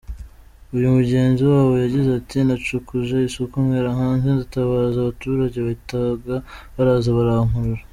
Uyu mugenzi wabo yagize ati” Nacukuje isuka ngera hanze ndatabaza abaturage bahitaga baraza barankurura.